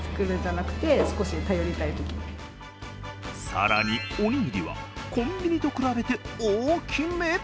更に、おにぎりはコンビニと比べて大きめ。